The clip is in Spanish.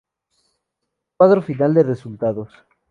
Cuadro final de resultados.